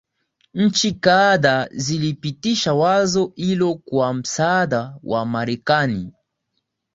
nchi kadhaa zilipitisha wazo hilo kwa msaada wa marekani